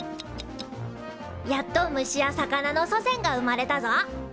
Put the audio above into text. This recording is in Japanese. やっと虫や魚の祖先が生まれたぞ！